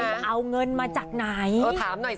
ไปเอาเงินมาจากไหน